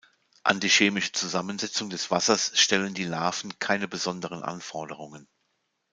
An die chemische Zusammensetzung des Wassers stellen die Larven keine besonderen Anforderungen.